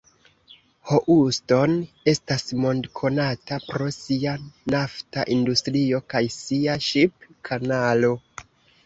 Houston estas mondkonata pro sia nafta industrio kaj sia ŝip-kanalo.